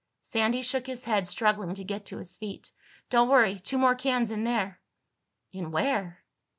Sandy shook his head, struggling to get to his feet. "Don't worry. Two more cans in there." "In where?"